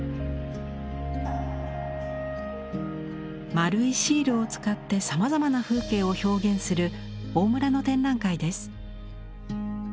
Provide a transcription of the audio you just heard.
丸いシールを使ってさまざまな風景を表現する大村の展覧会です。